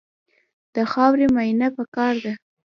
د خاورې معاینه پکار ده.